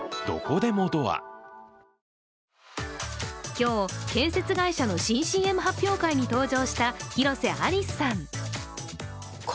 今日、建設会社の新ＣＭ発表会に登場した広瀬アリスさん。